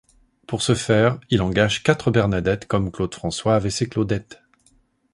Pour ce faire, il engage quatre Bernadettes, comme Claude François avait ses Claudettes.